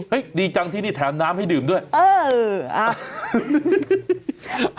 ดีจังที่นี่แถมน้ำให้ดื่มด้วยเอออ่ะ